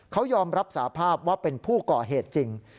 เขายอมรับสาภาพว่าเป็นผู้ก่อเหตุจริง